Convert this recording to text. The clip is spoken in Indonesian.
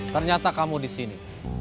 ternyata kamu disini